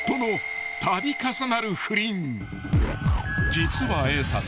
［実はＡさん